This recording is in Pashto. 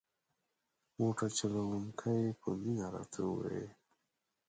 موټر چلوونکي په مینه راته وویل.